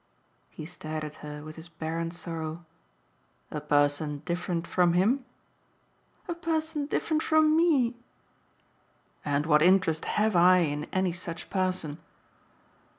He stared at her with his barren sorrow. "A person different from him?" "A person different from ME!" "And what interest have I in any such person?"